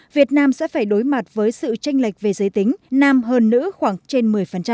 việt nam sẽ phải đối mặt với sự tranh lệch về giới tính nam hơn nữ khoảng trên một mươi